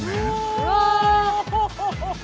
うわ！